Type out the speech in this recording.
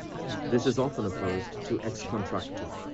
This is often opposed to ex contractu.